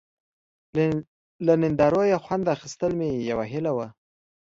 له نندارو یې خوند اخیستل مې یوه هیله وه.